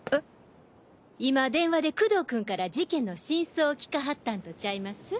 今電話で工藤君から事件の真相を聞かはったんとちゃいます？